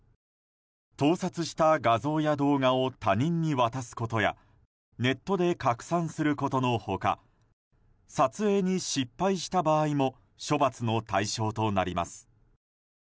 盗撮した画像や動画を他人に渡すことやネットで拡散することの他撮影に失敗した場合も処罰の対象となります。